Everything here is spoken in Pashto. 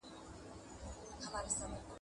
تروږمۍ چي ډېره سي، سهار نژدې کېږي.